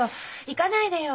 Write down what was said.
行かないでよ。